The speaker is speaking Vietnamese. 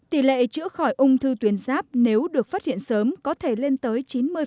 tỷ lệ chữa khỏi ung thư tuyến giáp nếu được phát hiện sớm có thể lên tới chín mươi